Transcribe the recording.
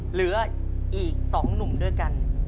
เหลืออีก๒หนุ่มด้วยกัน